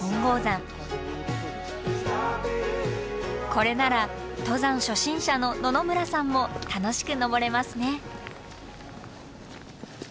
これなら登山初心者の野々村さんも楽しく登れますね。